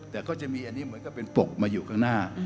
แต่ก็จะมีอันนี้เหมือนกับเป็นปกมาอยู่ข้างหน้า